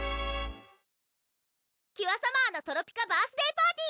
キュアサマーのトロピカバースデーパーティー！